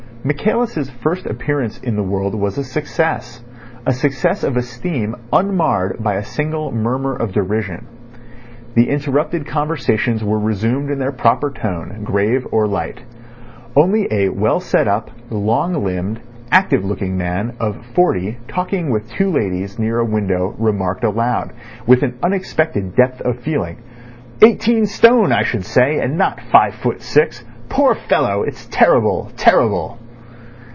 Michaelis' first appearance in the world was a success—a success of esteem unmarred by a single murmur of derision. The interrupted conversations were resumed in their proper tone, grave or light. Only a well set up, long limbed, active looking man of forty talking with two ladies near a window remarked aloud, with an unexpected depth of feeling: "Eighteen stone, I should say, and not five foot six. Poor fellow! It's terrible—terrible."